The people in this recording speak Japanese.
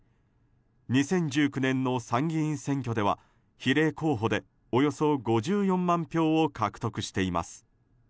２０１９年の参議院選挙では比例候補でおよそ５４万票を獲得しています。